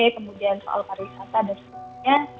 kemudian soal pariwisata dan sebagainya